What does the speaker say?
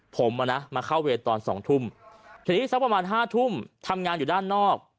ผมอ่ะนะมาเข้าเวรตอน๒ทุ่มทีนี้สักประมาณ๕ทุ่มทำงานอยู่ด้านนอก